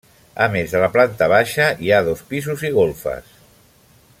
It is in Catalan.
A més de la planta baixa hi ha dos pisos i golfes.